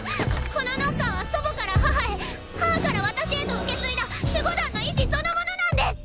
このノッカーは祖母から母へ母から私へと受け継いだ守護団の意志そのものなんです！